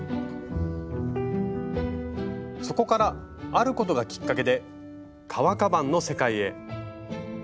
そこからあることがきっかけで革カバンの世界へ。